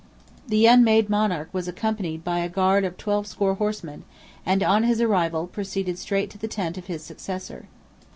The unmade monarch was accompanied by a guard "of twelve score horsemen," and on his arrival, proceeded straight to the tent of his successor.